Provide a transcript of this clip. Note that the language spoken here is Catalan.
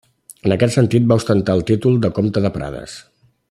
En aquest sentit va ostentar el títol de comte de Prades.